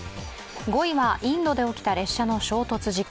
５位にはインドで起きた列車の衝突事故。